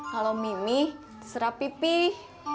kalo mimi terserah pipih